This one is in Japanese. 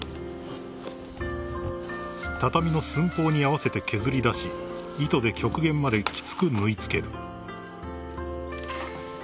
［畳の寸法に合わせて削り出し糸で極限まできつく縫い付ける］